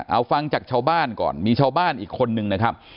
เอาฟังจากชาวบ้านก่อนมีชาวบ้านอีกคนนึงนะครับ